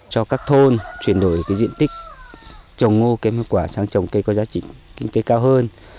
cho các thôn chuyển đổi diện tích trồng ngô cây hoa quả sang trồng cây có giá trị kinh tế cao hơn